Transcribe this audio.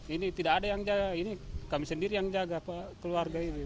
ini tidak ada yang jaga ini kami sendiri yang jaga pak keluarga ini